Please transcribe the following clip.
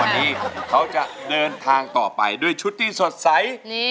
วันนี้เขาจะเดินทางต่อไปด้วยชุดที่สดใส